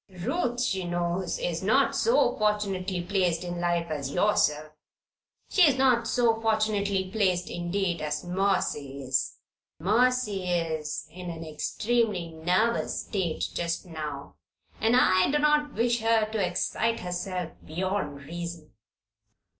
Ruth, she knows, is not so fortunately placed in life as yourself. She is not so fortunately placed, indeed, as Mercy is. And Mercy is in an extremely nervous state just now, and I do not wish her to excite herself beyond reason."